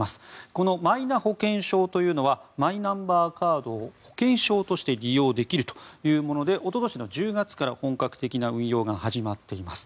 このマイナ保険証というのはマイナンバーカードを保険証として利用できるというものでおととしの１０月から本格的な運用が始まっています。